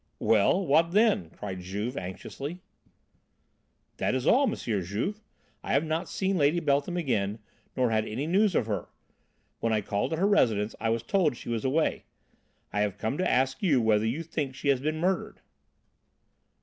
'" "Well, what then?" cried Juve, anxiously. "That is all, M. Juve. I have not seen Lady Beltham again, nor had any news of her. When I called at her residence I was told she was away. I have come to ask you whether you think she has been murdered."